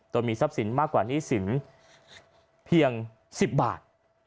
โดยมีทรัพย์สินมากกว่าหนี้สินเพียง๑๐บาท